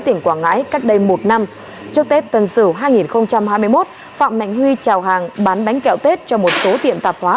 tỉnh quảng ngãi cách đây một năm trước tết tân sửu hai nghìn hai mươi một phạm mạnh huy trào hàng bán bánh kẹo tết cho một số tiệm tạp hóa